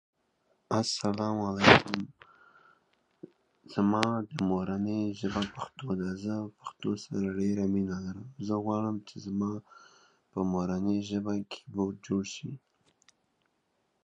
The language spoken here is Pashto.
هغه د پاکوالي وسایل په سمه توګه کاروي.